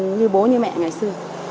như bố như mẹ ngày xưa